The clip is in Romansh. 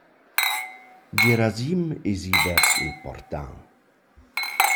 Gerasim es i vers il portal.